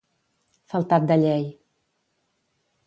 Faltat de llei.